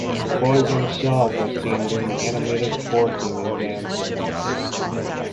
Toys on the shelves are seen doing animated twerking and dancing.